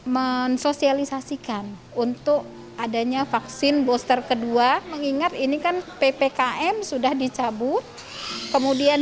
mensosialisasikan untuk adanya vaksin booster kedua mengingat ini kan ppkm sudah dicabut kemudian